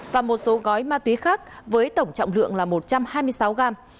và một số gói ma túy khác với tổng trọng lượng là một trăm hai mươi sáu gram